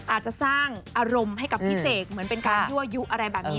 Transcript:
อาจจะสร้างอารมณ์ให้กับพี่เสกเหมือนเป็นการยั่วยุอะไรแบบนี้